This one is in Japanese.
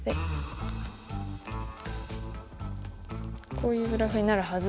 こういうグラフになるはず。